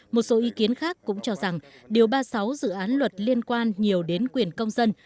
một số ý kiến khác cũng cho rằng điều ba mươi sáu dự án luật liên quan nhiều đến quyền công dân